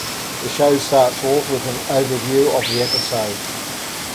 The show starts off with an overview of the episode.